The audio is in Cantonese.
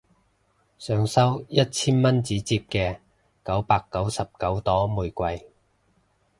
想收一千蚊紙摺嘅九百九十九朵玫瑰